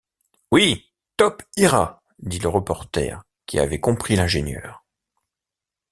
Oui, Top ira! dit le reporter, qui avait compris l’ingénieur.